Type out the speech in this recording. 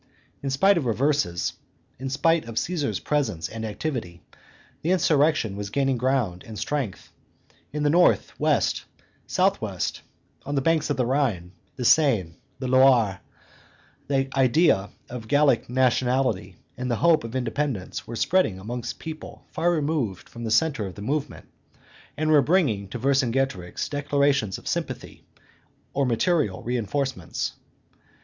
In spite of reverses, in spite of Caesar's presence and activity, the insurrection was gaining ground and strength; in the north, west, south west, on the banks of the Rhine, the Seine, and the Loire, the idea of Gallic nationality and the hope of independence were spreading amongst people far removed from the centre of the movement, and were bringing to Vercingetorix declarations of sympathy or material re enforcements.